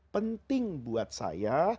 penting buat saya